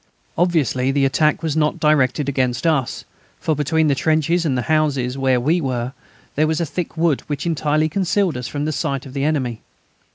Obviously the attack was not directed against us, for between the trenches and the houses where we were there was a thick wood which entirely concealed us from the sight of the enemy.